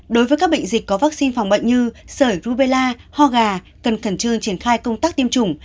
đối với các bệnh dịch có vaccine phòng bệnh như sởi rubella ho gà cần khẩn trương triển khai công tác tiêm chủng